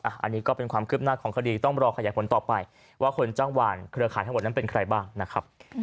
อันนี้ก็เป็นความคืบหน้าของคดีต้องรอขยายผลต่อไปว่าคนจ้างหวานเครือข่ายทั้งหมดนั้นเป็นใครบ้างนะครับ